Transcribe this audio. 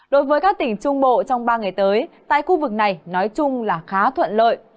đối với các tỉnh trung bộ trong ba ngày tới tại khu vực này nói chung là khá thuận lợi